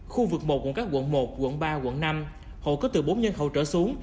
khu vực một của các quận một quận ba quận năm hộ có từ bốn nhân hậu trở xuống